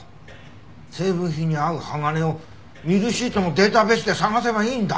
成分比に合う鋼をミルシートのデータベースで探せばいいんだ！